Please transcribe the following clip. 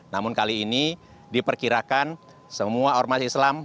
namun kali ini diperkirakan semua ormas islam